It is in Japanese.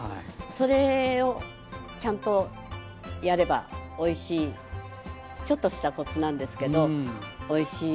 それをちゃんとやればちょっとしたコツなんですけどおいしい